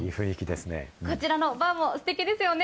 こちらのバーもすてきですよね。